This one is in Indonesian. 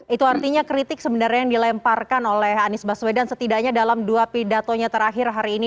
itu artinya kritik sebenarnya yang dilemparkan oleh anies baswedan setidaknya dalam dua pidatonya terakhir hari ini